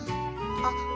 あっ。